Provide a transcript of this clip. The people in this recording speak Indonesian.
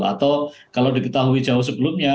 atau kalau diketahui jauh sebelumnya